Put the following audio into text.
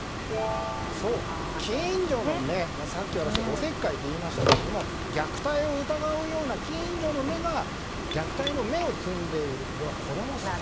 近所の目、さっき私おせっかいといいましたが虐待を疑うような近所の目が虐待の芽を摘んでいる。